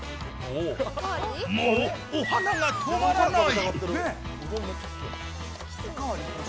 もう、お鼻が止まらない。